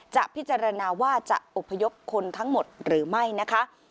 จะพิจารณาว่าจะอบพยพคนทั้งหมดหรือไม่นะคะ